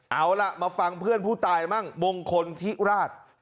เอาล่ะมาฟังเพื่อนผู้ตายมั่งมงคลทิราช